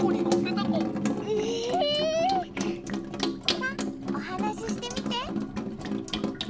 さあおはなししてみて。